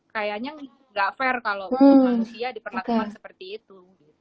kayaknya nggak fair kalau untuk manusia diperlakukan seperti itu